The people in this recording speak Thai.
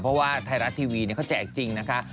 เพราะว่าไทยรัฐทีวีเขาแจกจริงนะคะ